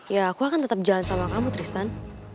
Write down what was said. ya aku akan tetap jalan sama kamu tristan